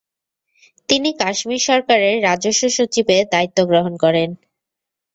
তিনি কাশ্মীর সরকারের রাজস্ব সচিবের দায়িত্ব গ্রহণ করেন।